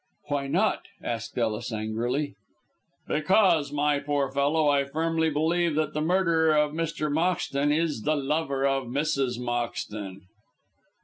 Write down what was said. "Why not?" asked Ellis, angrily. "Because, my poor fellow, I firmly believe that the murderer of Mr. Moxton is the lover of Mrs. Moxton."